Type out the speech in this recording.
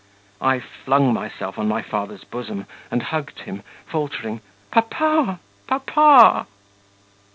I flung myself on my father's bosom, and hugged him, faltering: 'Papa, papa...'